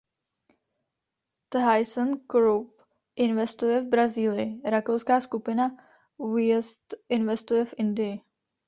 ThyssenKrupp investuje v Brazílii; rakouská skupina Vöest investuje v Indii.